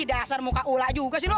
dasar muka ula juga sih lu